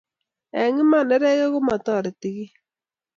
eng Iman neregek komatoreti kiiy